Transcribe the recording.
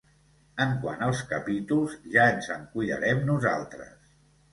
En quant als capítols, ja ens en cuidarem nosaltres.